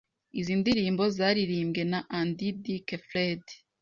Izi ndirimbo zaririmbwe na Andy Dick Fred,